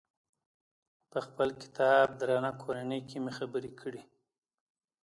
په خپل کتاب درنه کورنۍ کې مې خبرې کړي.